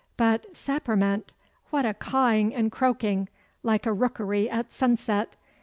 'But, sapperment, what a cawing and croaking, like a rookery at sunset!